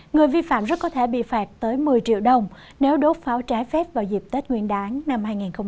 người vi phạm rất có thể bị phạt tới một mươi triệu đồng nếu đốt pháo trái phép vào dịp tết nguyên đáng năm hai nghìn hai mươi